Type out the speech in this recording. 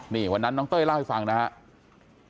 นี่วันนั้นน้องเต้ยเล่าให้ฟังนะครับ